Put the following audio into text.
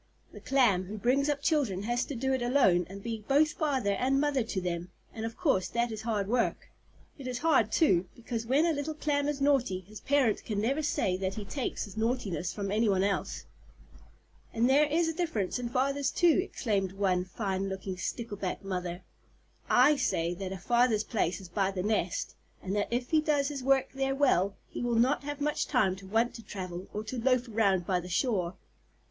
The Clam who brings up children has to do it alone, and be both father and mother to them, and of course that is hard work. It is hard, too, because when a little Clam is naughty, his parent can never say that he takes his naughtiness from any one else. "And there is a difference in fathers too," exclaimed one fine looking Stickleback Mother. "I say that a father's place is by the nest, and that if he does his work there well, he will not have much time to want to travel, or to loaf around by the shore."